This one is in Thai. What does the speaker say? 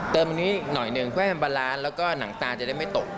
เติมอันนี้หน่อยหนึ่งก็ให้มันบรรลานซ์แล้วก็หนังตาจะได้ไม่ตก